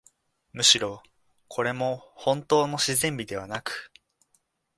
むしろ、これもほんとうの自然美ではなく、